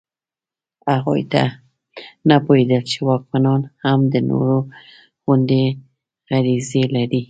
هغوی نه پوهېدل چې واکمنان هم د نورو غوندې غریزې لري.